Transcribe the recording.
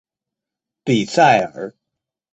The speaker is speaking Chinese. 比塞尔。